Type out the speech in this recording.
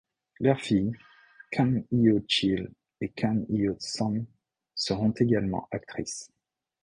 Leurs filles, Kang Hyo-shil et Kang Hyo-son, seront également actrices.